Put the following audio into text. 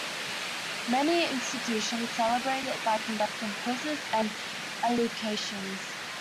Many institutions celebrate it by conducting quizzes and elocutions.